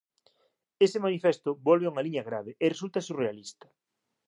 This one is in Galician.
Ese Manifesto volve a unha liña grave e resulta surrealista.